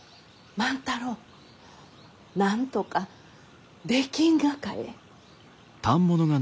万太郎なんとかできんがかえ？